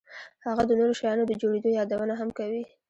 هغه د نورو شیانو د جوړېدو یادونه هم کوي